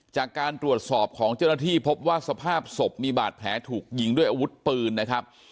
จากการตรวจสอบของเจ้าหน้าที่พบว่าสภาพศพมีบาดแผลถูกยิงด้วยอาวุธปืนนะครับ